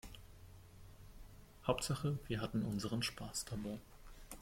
Hauptsache wir hatten unseren Spaß dabei.